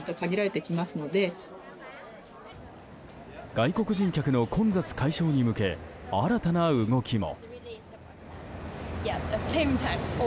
外国人客の混雑解消に向け新たな動きも。